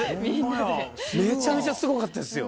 めちゃめちゃすごかったですよ！